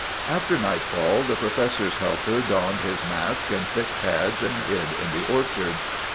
After nightfall the Professor's helper donned his mask and thick pads and hid in the orchard.